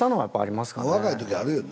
若い時あるよね。